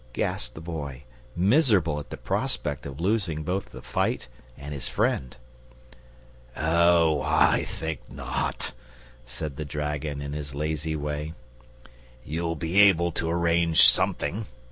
gasped the Boy, miserable at the prospect of losing both his fight and his friend. "Oh, I think not," said the dragon in his lazy way. "You'll be able to arrange something.